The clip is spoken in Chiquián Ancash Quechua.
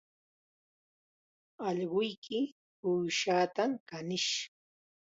Allquyki uushaata kanish